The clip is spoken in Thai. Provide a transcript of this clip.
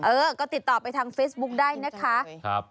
เออก็ติดต่อไปทางเฟซบุ๊คได้นะคะ